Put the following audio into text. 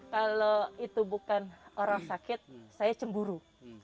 kalau itu bukan orang sakit saya cemburu